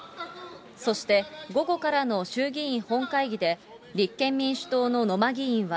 そして午後からの衆議院本会議で、立憲民主党の野間議員は、